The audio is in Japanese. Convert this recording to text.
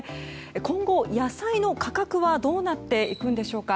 今後、野菜の価格はどうなっていくんでしょうか。